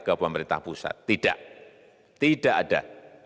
ke pemerintah pusat tidak tidak ada